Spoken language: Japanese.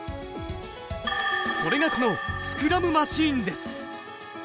それがこのスクラムマシーンです。